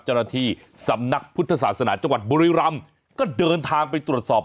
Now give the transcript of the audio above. เจ้าหน้าที่สำนักพุทธศาสนาจังหวัดบุรีรำก็เดินทางไปตรวจสอบ